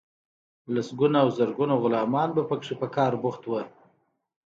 لسګونه او زرګونه غلامان به پکې په کار بوخت وو.